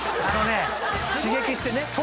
刺激してね。